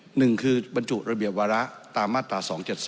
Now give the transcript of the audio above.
หนึ่งคือบรรจุระเบียบวาระตามมาตรา๒๗๒